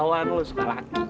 ih keperawan lo suka laki